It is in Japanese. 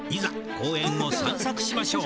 公園を散策しましょう！